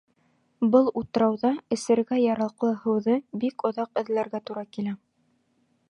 Был утрауҙа эсергә яраҡлы һыуҙы бик оҙаҡ эҙләргә тура килә.